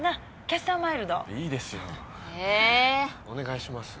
お願いします。